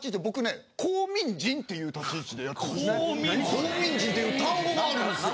公民人っていう単語があるんですよ。